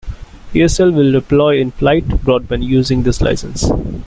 Aircell will deploy in-flight broadband using this license.